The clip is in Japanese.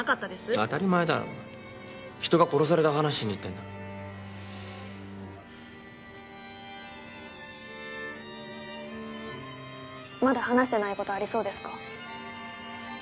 当たり前だろ人が殺された話しに行ってんだまだ話してないことありそうですか？